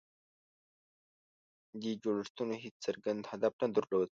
دې جوړښتونو هېڅ څرګند هدف نه درلود.